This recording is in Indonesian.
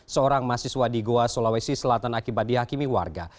seorang mahasiswa di goa sulawesi selatan akibat dihakimi warga